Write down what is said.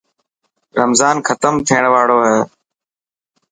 رمضان ختم ٿيڻ واڙو هي.